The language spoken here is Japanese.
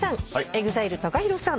ＥＸＩＬＥＴＡＫＡＨＩＲＯさん